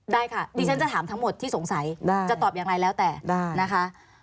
ได้ค่ะดิฉันจะถามทั้งหมดที่สงสัยจะตอบอย่างไรแล้วแต่นะคะ